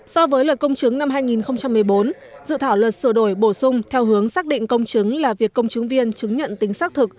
so với luật công chứng năm hai nghìn một mươi bốn dự thảo luật sửa đổi bổ sung theo hướng xác định công chứng là việc công chứng viên chứng nhận tính xác thực